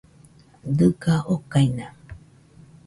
Dɨga okaina.